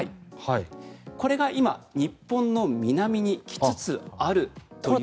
これが今、日本の南に来つつあるという状況です。